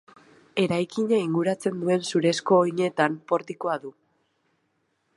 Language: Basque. Eraikina inguratzen duen zurezko oinetan portikoa du.